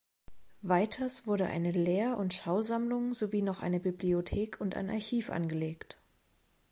Weiters wurde eine Lehr- und Schausammlung, sowie noch eine Bibliothek und ein Archiv angelegt.